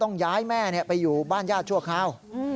ย้ายแม่ไปอยู่บ้านญาติชั่วคราว